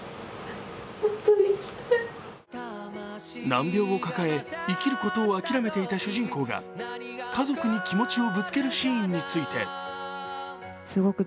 難病を抱え、生きることを諦めていた主人公が家族に気持ちをぶつけるシーンについてしかし